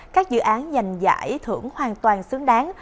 các dự án giành giải thưởng hoàn toàn xứng đáng